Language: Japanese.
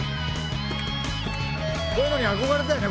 「こういうのに憧れたよね